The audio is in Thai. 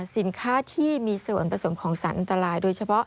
สินค้าที่มีส่วนผสมของสารอันตรายโดยเฉพาะ